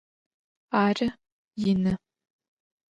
Arı, yinı.